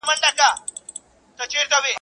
o دوږخ که تود دئ، که سوړ، زموږ ورته مخ دئ.